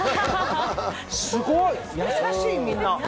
すごい、やさしいみんな。